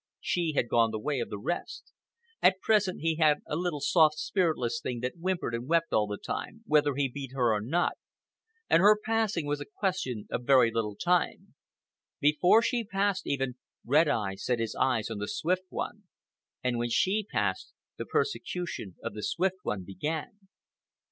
She had gone the way of the rest. At present he had a little, soft, spiritless thing that whimpered and wept all the time, whether he beat her or not; and her passing was a question of very little time. Before she passed, even, Red Eye set his eyes on the Swift One; and when she passed, the persecution of the Swift One began.